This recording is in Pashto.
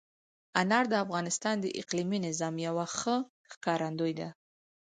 انار د افغانستان د اقلیمي نظام یوه ښه ښکارندوی ده.